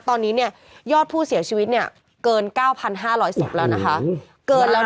ตอนนี้เนี่ยยอดผู้เสียชีวิตเนี่ยเกิน๙๕๐๐ศพแล้วนะคะ